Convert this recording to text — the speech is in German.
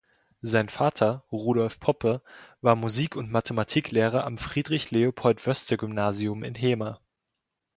Sein Vater, Rudolf Poppe, war Musik- und Mathematiklehrer am Friedrich-Leopold-Woeste-Gymnasium in Hemer.